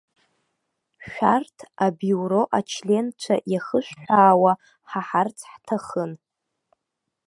Шәарҭ абиуро ачленцәа иахышәҳәаауа ҳаҳарц ҳҭахын.